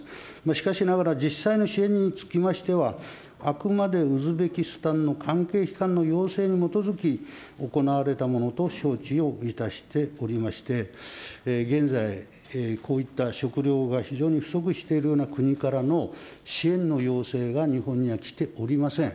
しかしながら、実際の支援につきましては、あくまでウズベキスタンの関係機関の要請に基づき行われたものと承知をいたしておりまして、現在、こういった食糧が非常に不足しているような国からの支援の要請が日本には来ておりません。